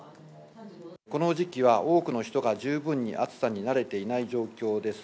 この時期は多くの人が十分に暑さに慣れていない状況です。